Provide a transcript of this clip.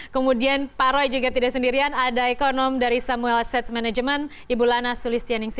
kemudian pak roy juga tidak sendirian ada ekonom dari samuel sets management ibu lana sulistianingsi